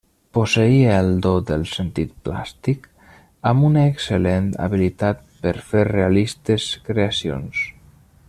Posseïa el do del sentit plàstic, amb una excel·lent habilitat per fer realistes creacions.